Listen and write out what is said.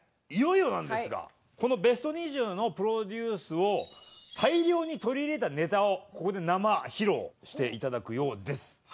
いよいよなんですがこのベスト２０のプロデュースを大量に取り入れたネタをここで生披露して頂くようです。